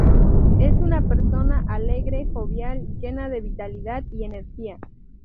Es una persona alegre, jovial, llena de vitalidad y energía.